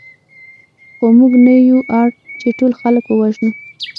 خو موږ نه یو اړ چې ټول خلک ووژنو